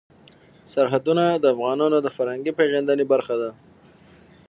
سرحدونه د افغانانو د فرهنګي پیژندنې برخه ده.